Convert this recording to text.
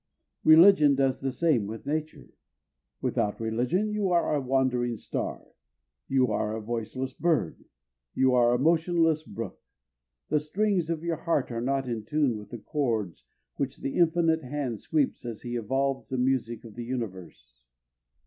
Religion does the same with nature. Without religion you are a wandering star. You are a voiceless bird. You are a motionless brook. The strings of your heart are not in tune with the chords which the Infinite hand sweeps as he evolves the music of the universe.